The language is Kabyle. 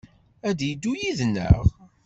Ad d-yeddu yid-neɣ?